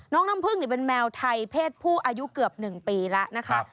น้ำพึ่งเป็นแมวไทยเพศผู้อายุเกือบ๑ปีแล้วนะคะ